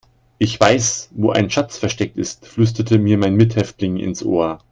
Ich weiß, wo ein Schatz versteckt ist, flüsterte mir mein Mithäftling ins Ohr.